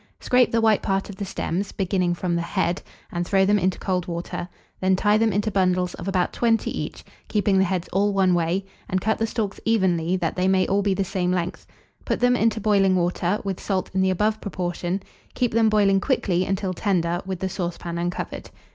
Scrape the white part of the stems, beginning from the head, and throw them into cold water; then tie them into bundles of about 20 each, keeping the heads all one way, and cut the stalks evenly, that they may all be the same length; put them into boiling water, with salt in the above proportion; keep them boiling quickly until tender, with the saucepan uncovered.